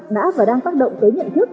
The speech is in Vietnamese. đã và đang tác động tới nhận thức